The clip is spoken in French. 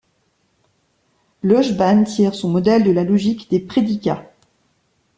Le lojban tire son modèle de la logique des prédicats.